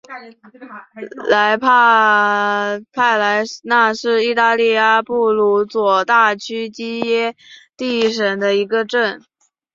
莱托帕莱纳是意大利阿布鲁佐大区基耶蒂省的一个镇。